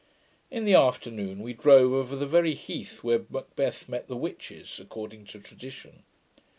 In the afternoon, we drove over the very heath where Macbeth met the witches, according to tradition.